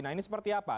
nah ini seperti apa